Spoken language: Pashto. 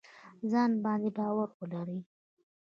ځان باندې باور ولرئ